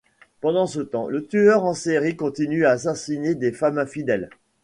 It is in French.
Pendant ce temps, le tueur en série continue à assassiner des femmes infidèles.